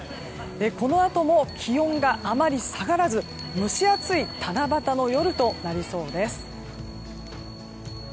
このあとも気温があまり下がらず蒸し暑い七夕の夜となりそうです。